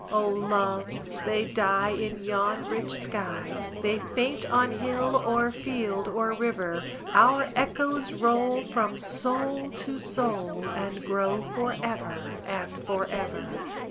O love, they die in yon rich sky, They faint on hill or field or river: Our echoes roll from soul to soul, And grow for ever and for ever.